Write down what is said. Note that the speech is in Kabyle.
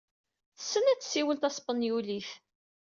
Tessen ad tessiwel taspenyulit.